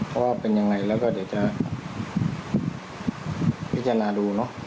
เพราะว่าเป็นยังไงแล้วก็เดี๋ยวจะพิจารณาดูเนอะ